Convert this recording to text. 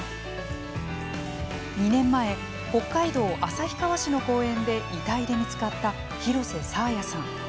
２年前、北海道旭川市の公園で遺体で見つかった廣瀬爽彩さん。